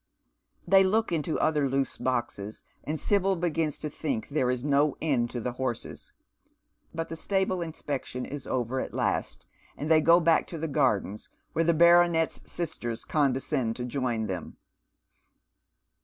They look into other loose boxes, and Sibyl begins to think there is no end to the horses ; but the stable inspection is over at last, and they go back to the gardens, where the baronet's sistcra condescend to join them.